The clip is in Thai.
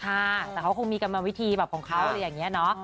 ค่ะแต่เขาคงมีกันมาวิธีแบบของเขาอย่างนี้เนอะ